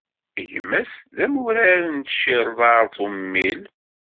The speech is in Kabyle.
Gma-s d amurar n tcirḍart ummil.